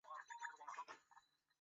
塞尔梅里厄。